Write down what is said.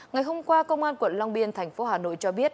ngày hôm qua công an quận long biên thành phố hà nội cho biết